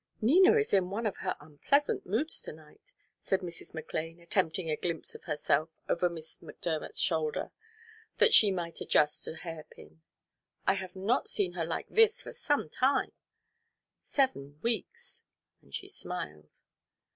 "Nina is in one of her unpleasant moods to night," said Mrs. McLane, attempting a glimpse of herself over Miss McDermott's shoulder, that she might adjust a hairpin. "I have not seen her like this for some time seven weeks," and she smiled.